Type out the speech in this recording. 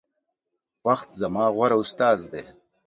وخت زما غوره استاذ دے